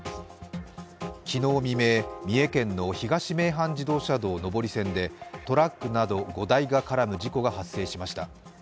昨日未明、三重県の東名阪自動車道上り線でトラックなど５台が絡む事故が発生しました。